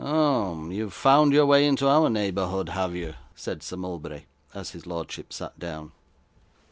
'Oh, you've found your way into our neighbourhood, have you?' said Sir Mulberry as his lordship sat down.